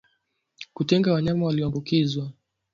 Kutenga wanyama walioambukizwa